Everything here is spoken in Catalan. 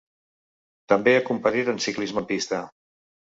També ha competit en ciclisme en pista.